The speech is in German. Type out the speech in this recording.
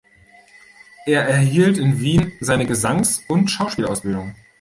Er erhielt in Wien seine Gesangs- und Schauspielausbildung.